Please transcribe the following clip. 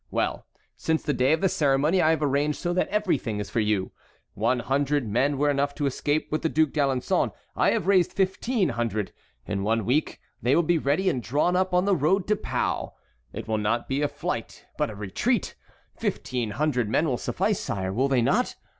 Well, since the day of the ceremony I have arranged so that everything is for you. One hundred men were enough to escape with the Duc d'Alençon; I have raised fifteen hundred. In one week they will be ready and drawn up on the road to Pau. It will not be a flight but a retreat. Fifteen hundred men will suffice, sire, will they not?